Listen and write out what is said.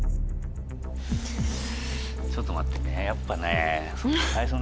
ちょっと待ってねやっぱね。